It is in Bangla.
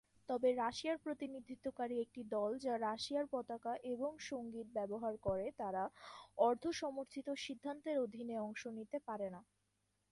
তবে রাশিয়ার প্রতিনিধিত্বকারী একটি দল যা রাশিয়ার পতাকা এবং সংগীত ব্যবহার করে তারা অর্ধ-সমর্থিত সিদ্ধান্তের অধীনে অংশ নিতে পারে না।